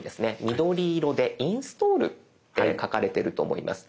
緑色で「インストール」って書かれてると思います。